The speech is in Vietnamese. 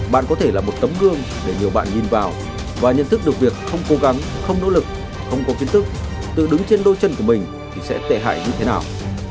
bạn có thể là một tấm gương để nhiều bạn nhìn vào và nhận thức được việc không cố gắng không nỗ lực không có kiến thức tự đứng trên đôi chân của mình thì sẽ tệ hại như thế nào